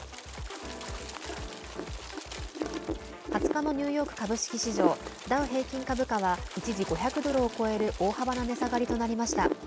２０日のニューヨーク株式市場ダウ平均株価は一時５００ドルを超える大幅な値下がりとなりました。